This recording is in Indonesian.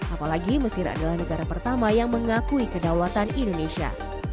apalagi mesir adalah negara pertama yang mengakui kedaulatan indonesia